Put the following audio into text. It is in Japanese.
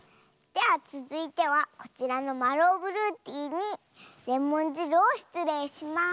ではつづいてはこちらのマローブルーティーにレモンじるをしつれいします。